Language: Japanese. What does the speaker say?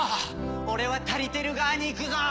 俺はたりてる側に行くぞ！